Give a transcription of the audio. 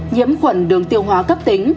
nhiễm khuẩn đường tiêu hóa cấp tính